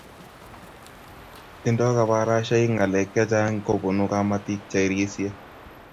Tindo kabarashaik ngalek che chang kobun kamatik che irisie